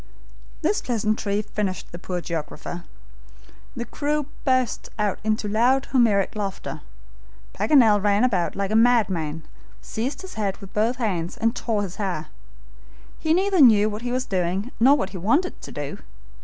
This pleasantry finished the poor geographer. The crew burst out into loud Homeric laughter. Paganel ran about like a madman, seized his head with both hands and tore his hair. He neither knew what he was doing nor what he wanted to do.